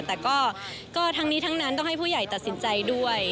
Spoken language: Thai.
แต่ก็ทั้งนี้ทั้งนั้นต้องให้ผู้ใหญ่ตัดสินใจด้วย